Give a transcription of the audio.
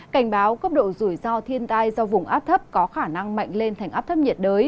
cảnh báo cấp độ rủi ro thiên tai do vùng áp thấp có khả năng mạnh lên thành áp thấp nhiệt đới